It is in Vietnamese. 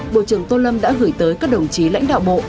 bộ trưởng tô lâm đã gửi tới các đồng chí lãnh đạo bộ